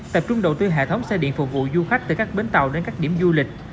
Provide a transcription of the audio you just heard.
tập trung đầu tư hệ thống xe điện phục vụ du khách từ các bến tàu đến các điểm du lịch